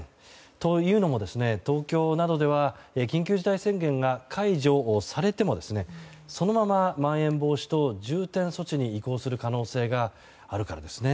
というのもですね東京などでは緊急事態宣言が解除されてもそのまままん延防止等重点措置に移行する可能性があるからですね。